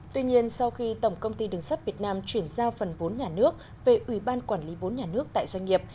tuy nhiên sau khi tổng công ty đường sắt việt nam chuyển giao phần vốn nhà nước về ủy ban quản lý vốn nhà nước tại doanh nghiệp